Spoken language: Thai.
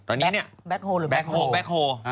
ตอนนี้เนี่ยแม็คโฮล์หรือแม็คโฮล์